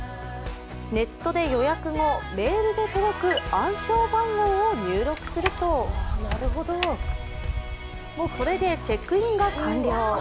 ネットで予約後、メールで届く暗証番号を入力するとこれでチェックインが完了。